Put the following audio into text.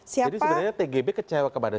siapa jadi sebenarnya tgb kecewa kepada